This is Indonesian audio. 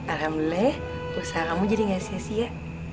alhamdulillah usahamu jadi gak sia sia